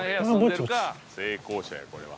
成功者やこれは。